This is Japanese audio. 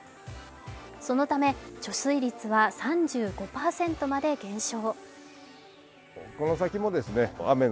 そのため、貯水率は３５％まで減少。